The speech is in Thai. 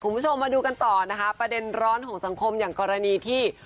คุณผู้ชมมาดูกันต่อนะคะประเด็นร้อนของสังคมอย่างกรณีที่